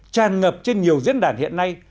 tràn ngập trên nhiều diễn đàn hiện nay